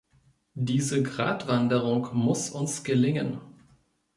Diese Gratwanderung muss uns gelingen.